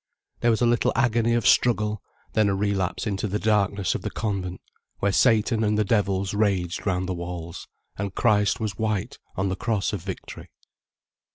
There was a little agony of struggle, then a relapse into the darkness of the convent, where Satan and the devils raged round the walls, and Christ was white on the cross of victory.